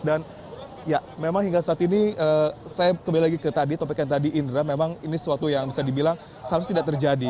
dan ya memang hingga saat ini saya kembali lagi ke tadi topik yang tadi indra memang ini suatu yang bisa dibilang seharusnya tidak terjadi